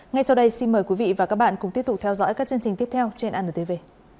ngay sau đây xin mời quý vị và các bạn cùng tiếp tục theo dõi các chương trình tiếp theo trên anntv